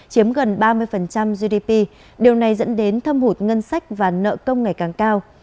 chiếm gần ba mươi gdp điều này dẫn đến thâm hụt ngân sách và nợ công ngày càng cao